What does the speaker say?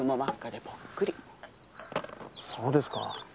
そうですか。